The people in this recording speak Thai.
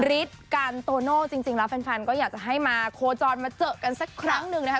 ฤทธิ์กันโตโน่จริงแล้วแฟนก็อยากจะให้มาโคจรมาเจอกันสักครั้งหนึ่งนะคะ